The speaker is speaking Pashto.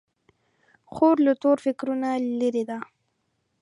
خور له تور فکرونو لیرې ده.